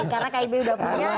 karena pdip sudah punya